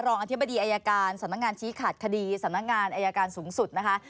อธิบดีอายการสำนักงานชี้ขาดคดีสำนักงานอายการสูงสุดนะคะ